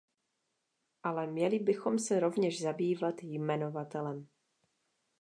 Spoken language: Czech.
Ale měli bychom se rovněž zabývat jmenovatelem.